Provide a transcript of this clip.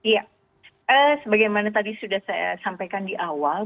ya sebagaimana tadi sudah saya sampaikan di awal